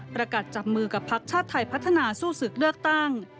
ประกัดจับมือกับพักชาติไทยพัฒนาสู้ศึกเลือกตั้ง